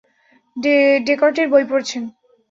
ডেকার্টের বই পড়ছেন।